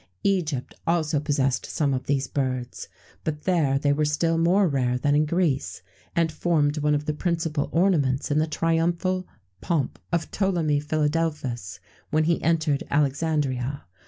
[XVII 105] Egypt also possessed some of these birds; but there they were still more rare than in Greece, and formed one of the principal ornaments in the triumphal pomp of Ptolemy Philadelphus, when he entered Alexandria.